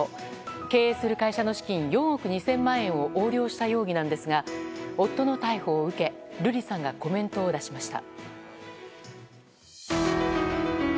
経営する会社の資金４億２０００万円を横領した容疑なんですが夫の逮捕を受け瑠麗さんがコメントを出しました。